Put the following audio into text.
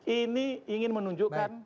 ini ingin menunjukkan